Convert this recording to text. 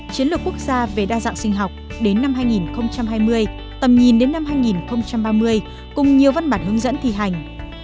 chiến lược quốc gia về đa dạng sinh học đến năm hai nghìn hai mươi tầm nhìn đến năm hai nghìn ba mươi cùng nhiều văn bản hướng dẫn thi hành